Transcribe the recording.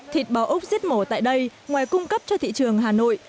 thịt bò úc giết mổ tại đây ngoài cung cấp cho thị trường hà nội